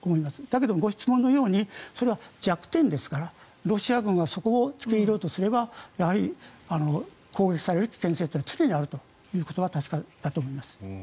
だけどご質問のように弱点ですからロシア軍がそこにつけ入ろうとすればやはり攻撃させる危険性は常にあるというのは確かだと思います。